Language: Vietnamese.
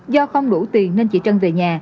do không đủ tiền nên chị trân về nhà